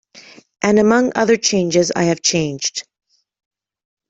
And, among other changes, I have changed.